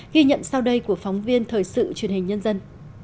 ghi nhận sau đây của phóng viên thời sự truyền hình nhân dân